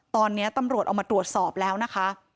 ตอนนี้ตำรวจเอามาตรวจสอบแล้วนะคะ